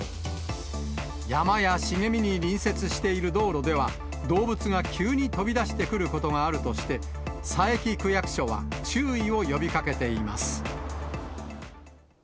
山や茂みに隣接している道路では、動物が急に飛び出してくることがあるとして、佐伯区役所は注意を呼びかけています。